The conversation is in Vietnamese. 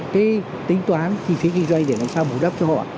cái tính toán chi phí kinh doanh để làm sao bù đắp cho họ